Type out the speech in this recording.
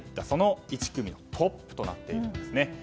その１組のトップとなっているんです。